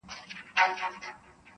• اوسېدلی نه په جبر نه په زور وو -